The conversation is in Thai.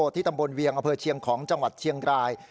ที่ตำบลเวียงอำเภอเชียงของจังหวัดเชียงราย